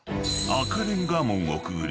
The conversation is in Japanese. ［赤レンガ門をくぐり